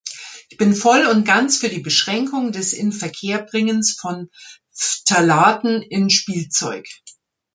Ich bin voll und ganz für die Beschränkung des Inverkehrbringens von Phthalaten in Spielzeug.